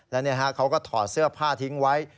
แล้วเขาก็ถอดเสื้อผ้าทิ้งไว้